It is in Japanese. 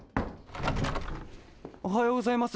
おはようございます。